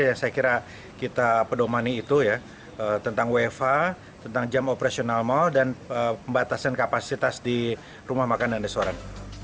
yang saya kira kita pedomani itu ya tentang wfa tentang jam operasional mal dan pembatasan kapasitas di rumah makan dan restoran